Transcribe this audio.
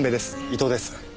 伊藤です。